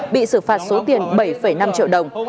bị xử phạt số tiền bảy năm triệu đồng